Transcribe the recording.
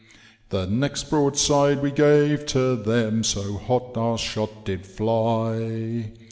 *•* The next broadside we gave to them, so hot our shot did fly.